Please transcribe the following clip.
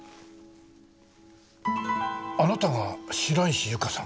あなたが白石ゆかさん？